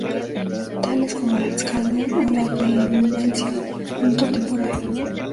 Tales como el Alzheimer o la demencia fronto-temporal.